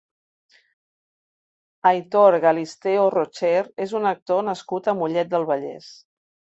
Aitor Galisteo-Rocher és un actor nascut a Mollet del Vallès.